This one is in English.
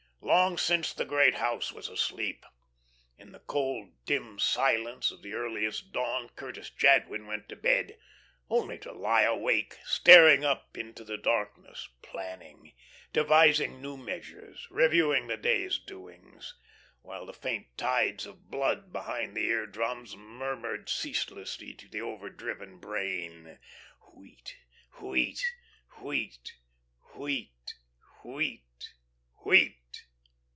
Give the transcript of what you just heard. Long since the great house was asleep. In the cold, dim silence of the earliest dawn Curtis Jadwin went to bed, only to lie awake, staring up into the darkness, planning, devising new measures, reviewing the day's doings, while the faint tides of blood behind the eardrums murmured ceaselessly to the overdriven brain, "Wheat wheat wheat, wheat wheat wheat.